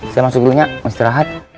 saya masuk dulunya istirahat